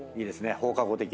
放課後的な。